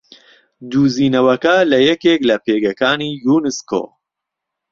دوزینەوەکە لە یەکێک لە پێگەکانی یوونسکۆ